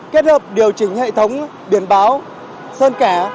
kết hợp điều chỉnh hệ thống biển báo sơn kẻ